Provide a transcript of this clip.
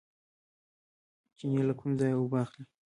چینې له کوم ځای اوبه اخلي؟